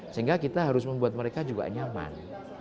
sehingga kita harus membuat mereka juga nyaman